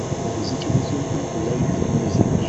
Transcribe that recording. umuziki uzwi nka Live Music